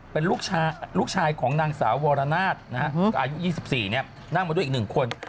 เป็นลูกชายของนางสาววรนาศอายุ๒๔นั่งมาด้วยอีก๑คน